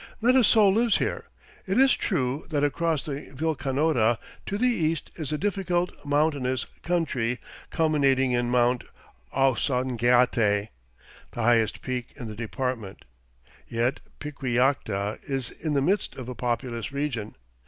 Not a soul lives here. It is true that across the Vilcanota to the east is a difficult, mountainous country culminating in Mt. Ausangate, the highest peak in the department. Yet Piquillacta is in the midst of a populous region.